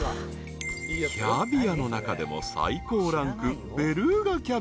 ［キャビアの中でも最高ランク］